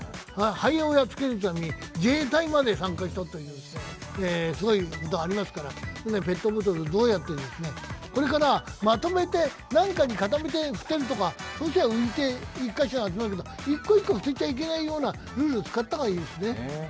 はえをやっつけるために自衛隊まで参加したというすごいことがありますから、ペットボトルをどうやって、これからまとめて何か固めて捨てるとか、そうすれば１カ所に集まるけど１個１個捨てちゃいけないようなルールつくった方がいいですね。